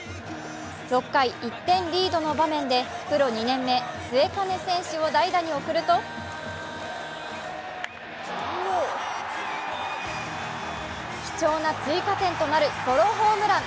６回、１点リードの場面でプロ２年目、末包選手を代打に送ると貴重な追加点となるソロホームラン。